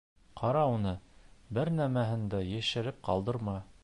Ҡара уны, бер нәмәһен дә йәшереп ҡалдырма!